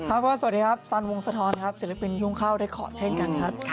อ่ะน้องจันน้องฟองอันนี้นำตัวหน่อยค่ะ